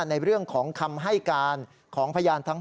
ในเรื่องของคำให้การของพยานทั้ง